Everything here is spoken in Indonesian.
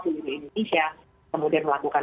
di indonesia kemudian melakukan